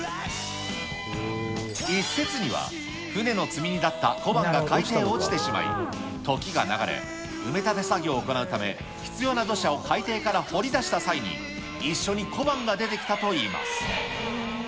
一説には、船の積み荷だった小判が海底に落ちてしまい、時が流れ、埋め立て作業を行うため、必要な土砂を海底から掘り出した際に、一緒に小判が出てきたといいます。